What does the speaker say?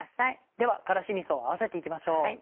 では辛子みそを合わせて行きましょう。